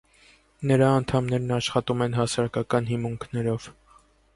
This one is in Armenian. Նրա անդամներն աշխատում են հասարակական հիմունքներով։